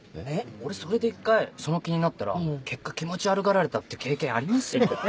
俺それで１回その気になったら結果気持ち悪がられたって経験ありますもん。